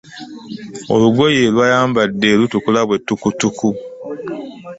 Olugoye lwayambadde lutukula bwe ttukuttuku.